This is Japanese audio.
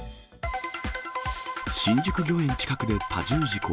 新宿御苑近くで多重事故。